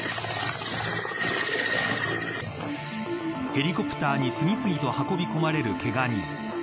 ヘリコプターに次々と運び込まれるけが人。